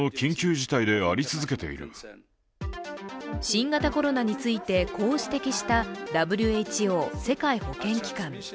新型コロナについてこう指摘したＷＨＯ＝世界保健機関。